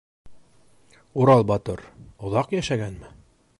Урал батыр... оҙаҡ йәшәгәнме?